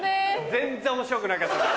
全然面白くなかったです。